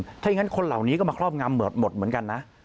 ถ้าอย่างนั้นคนเหล่านี้ก็มาครอบงำหมดเหมือนกันนะ